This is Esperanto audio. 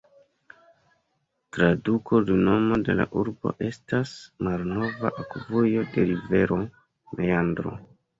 Traduko de nomo de la urbo estas "malnova akvujo de rivero, meandro".